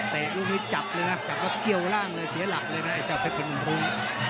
เตะลุงนี้จับเลยนะจับแล้วเกี่ยวร่างเลยเสียหลักเลยนะไอ้เจ้าเผ็ดประดมลุ้ม